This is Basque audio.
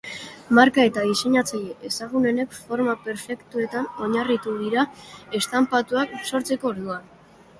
Marka eta diseinatzaile ezagunenek forma perfektuetan oinarritu dira estanpatuak sortzeko orduan.